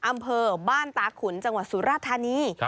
อำเภอบ้านตาขุนจังหวัดสุราธานี